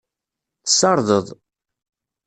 Tessardeḍ.